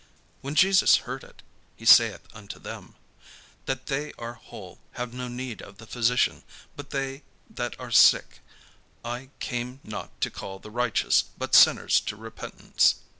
When Jesus heard it, he saith unto them; "They that are whole have no need of the physician, but they that are sick: I came not to call the righteous, but sinners to repentance."